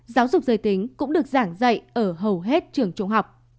giáo dục giới tính cũng được giảng dạy ở hầu hết trường trung học